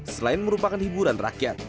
selain merupakan hiburan rakyat